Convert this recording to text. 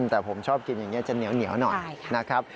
แต่ผมชอบกินอย่างนี้จะเหนียวหน่อยนะครับ